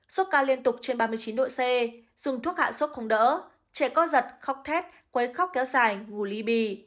xót cao liên tục trên ba mươi chín độ c dùng thuốc hạ xót không đỡ trẻ co giật khóc thét quấy khóc kéo dài ngủ ly bì